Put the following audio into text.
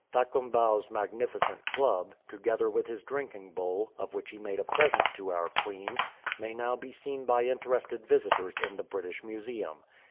"" Thakombau's magnificent club, together with his drink ing bowl, of which he made a present to our Queen, may now be seen by interested visitors in the British Museum.